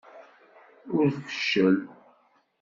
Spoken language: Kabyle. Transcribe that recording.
Ur feccel!